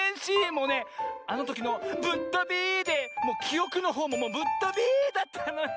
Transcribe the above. もうねあのときのぶっとびでもうきおくのほうももうぶっとびだったのよ。